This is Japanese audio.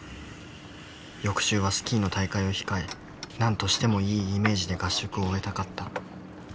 翌週はスキーの大会を控え何としてもいいイメージで合宿を終えたかった。